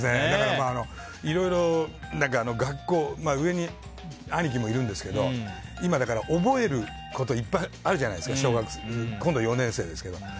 いろいろ、学校上に兄貴もいるんですけど今、覚えることいっぱいあるじゃないですか小学生、今度４年生ですけど。